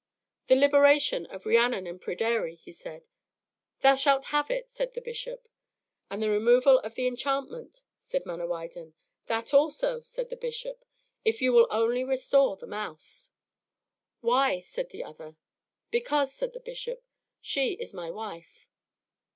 "The liberation of Rhiannon and Pryderi," he said. "Thou shalt have it," said the bishop. "And the removal of the enchantment," said Manawydan. "That also," said the bishop, "if you will only restore the mouse." "Why?" said the other. "Because," said the bishop, "she is my wife."